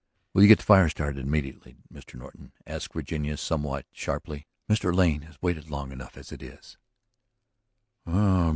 "Will you get the fire started immediately, Mr. Norton?" asked Virginia somewhat sharply. "Mr. Lane has waited long enough as it is."